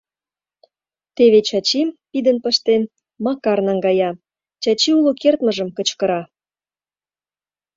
«Теве Чачим, пидын пыштен, Макар наҥгая, Чачи уло кертмыжым кычкыра...